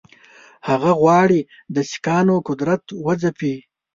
هغه غواړي د سیکهانو قدرت وځپي.